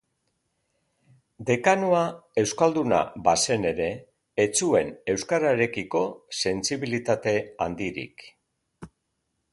Dekanoa euskalduna bazen ere, ez zuen euskararekiko sentsibilitate handirik.